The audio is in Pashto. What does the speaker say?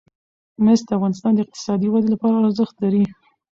مس د افغانستان د اقتصادي ودې لپاره ارزښت لري.